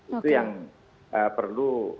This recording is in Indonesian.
itu yang perlu